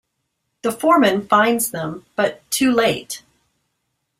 The foreman finds them but too late.